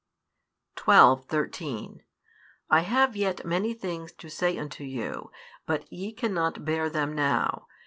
12, 13 I have yet many things to say unto you, but ye cannot bear them now.